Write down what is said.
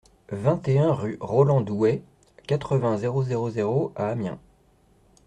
vingt et un rue Roland Douay, quatre-vingts, zéro zéro zéro à Amiens